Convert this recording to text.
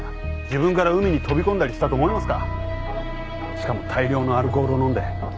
しかも大量のアルコールを飲んで。